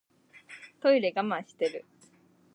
トイレ我慢してる